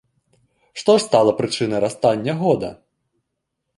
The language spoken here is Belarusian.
Што ж стала прычынай расстання года?